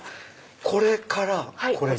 これからこれに。